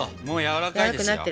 もうやわらかいですよ。